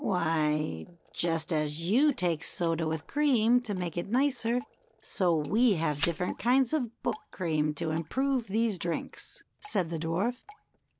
Why, just as you take soda with cream, to make it nicer, so we have different kinds of Book cream to improve these drinks," said the Dwarf.